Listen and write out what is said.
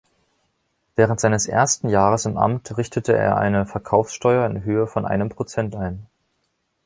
Während seines ersten Jahres im Amt richtete er eine Verkaufssteuer in Höhe von einem Prozent ein.